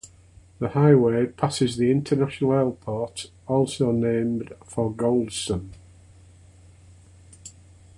The highway passes the international airport also named for Goldson.